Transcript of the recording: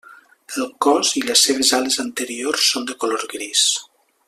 El cos i les seves ales anteriors són de color gris.